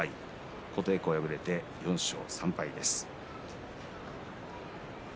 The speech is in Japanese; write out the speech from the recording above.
琴恵光敗れて４勝３敗です。